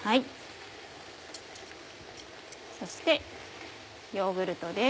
そしてヨーグルトです。